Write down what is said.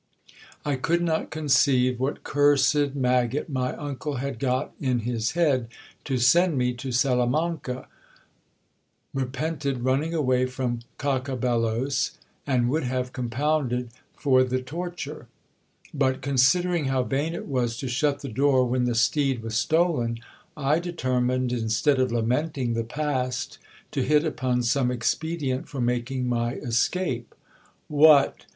I could not conceive what cursed maggot my uncle had got in his head to send me to Salamanca ; repented running away from Cacabelos, and would have compounded for the torture. But, considering how vain it was to shut the door when the steed was stolen, I determined, instead of lamenting the past, to hit upon some expedient for making my escape. What !